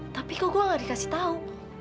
tapi kok gue gak dikasih tahu